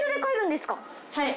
はい。